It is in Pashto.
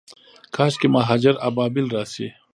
کاشکي، مهاجر ابابیل راشي